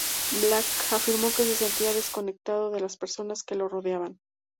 Blank afirmó que se sentía desconectado de las personas que lo rodeaban.